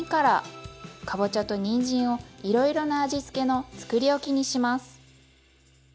かぼちゃとにんじんをいろいろな味付けのつくりおきにします。